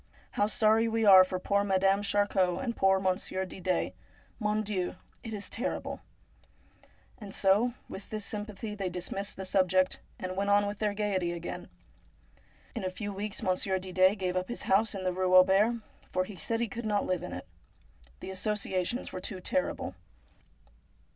How sorry we are for poor Madame Charcot and poor Mon sieur Didet ! Mon Dieu ! it is terrible !' And so with this sympathy they dismissed the subject, and went on with their gaiety again. In a few weeks Monsieur Didet gave up his house in the Eue Auber, for he said he could not live in it. The associations were too terrible.